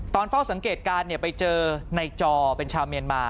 ตอนเฝ้าสังเกตการณ์ไปเจอในจอเป็นชาวเมียนมา